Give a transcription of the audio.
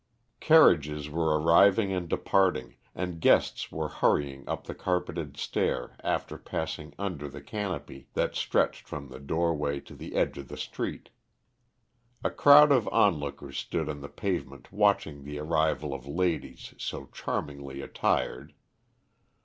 Carriages were arriving and departing, and guests were hurrying up the carpeted stair after passing under the canopy that stretched from the doorway to the edge of the street. A crowd of on lookers stood on the pavement watching the arrival of ladies so charmingly attired.